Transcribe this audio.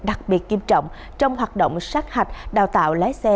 đặc biệt kiêm trọng trong hoạt động sát hạch đào tạo lái xe